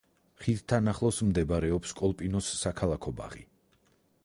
ხიდთან ახლოს მდებარეობს კოლპინოს საქალაქო ბაღი.